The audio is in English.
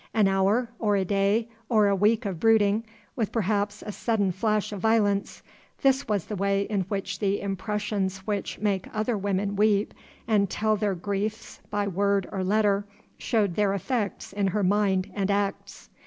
An hour, or a day, or a week of brooding, with perhaps a sudden flash of violence: this was the way in which the impressions which make other women weep, and tell their griefs by word or letter, showed their effects in her mind and acts.